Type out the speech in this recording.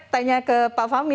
tanya ke pak fahmi